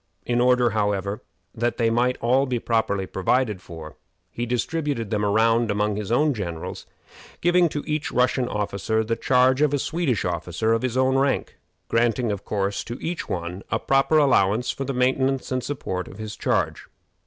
In order, however, that they might all be properly provided for, he distributed them around among his own generals, giving to each Russian officer the charge of a Swedish officer of his own rank, granting, of course, to each one a proper allowance for the maintenance and support of his charge.